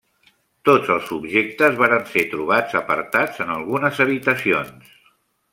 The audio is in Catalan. Tots els objectes varen ser trobats apartats en algunes habitacions.